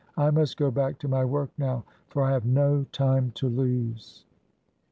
I must go back to my work now, for I have no time to lose."